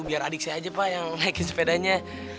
biar adik saya aja pak yang naikin sepedanya